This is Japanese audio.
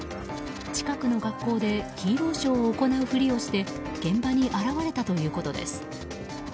近くの学校でヒーローショーを行うふりをして現場に現れたということです。